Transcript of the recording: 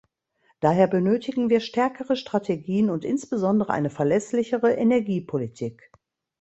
Daher benötigen wir stärkere Strategien und insbesondere eine verlässlichere Energiepolitik.